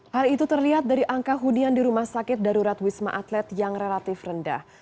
hal itu terlihat dari angka hunian di rumah sakit darurat wisma atlet yang relatif rendah